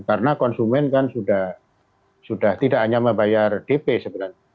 karena konsumen kan sudah tidak hanya membayar dp sebenarnya